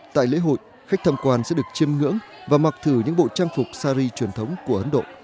tại lễ hội khách tham quan sẽ được chiêm ngưỡng và mặc thử những bộ trang phục sari truyền thống của ấn độ